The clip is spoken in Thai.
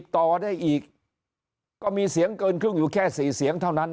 ต่อได้อีกก็มีเสียงเกินครึ่งอยู่แค่๔เสียงเท่านั้น